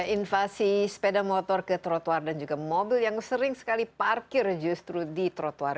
invasi sepeda motor ke trotoar dan juga mobil yang sering sekali parkir justru di trotoar